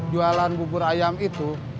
jualan bubur ayam itu